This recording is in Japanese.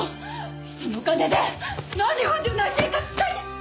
人のお金で何不自由ない生活しといて！